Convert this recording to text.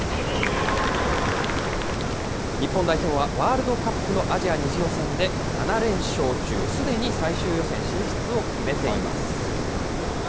日本代表は、ワールドカップのアジア２次予選で７連勝中、すでに最終予選進出を決めています。